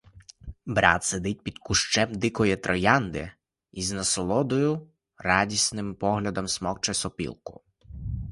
Брат сидить під кущем дикої троянди й з насолодою, з радісним поглядом смокче сопілку.